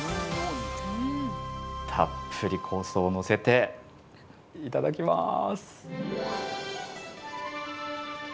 たっぷり香草をのせていただきます。